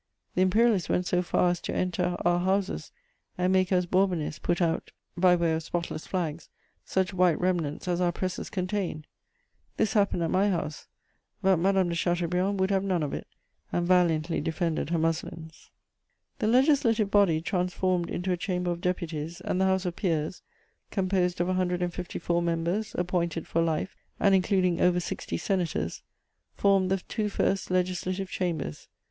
The Imperialists went so far as to enter our houses and make us Bourbonists put out, by way of spotless flags, such white remnants as our presses contained. This happened at my house; but Madame de Chateaubriand would have none of it, and valiantly defended her muslins. * [Sidenote: The Restoration ministry.] The Legislative Body, transformed into a Chamber of Deputies, and the House of Peers, composed of 154 members, appointed for life, and including over 60 senators, formed the two first Legislative Chambers.